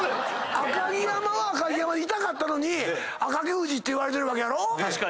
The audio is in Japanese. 赤城山は赤城山でいたかったのに赤城富士って言われてるわけやろ。